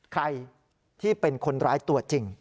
ใครที่เป็นคนร้ายตัวจริง